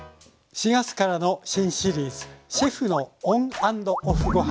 ４月からの新シリーズ「シェフのＯＮ＆ＯＦＦごはん」。